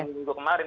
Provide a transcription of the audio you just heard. di minggu kemarin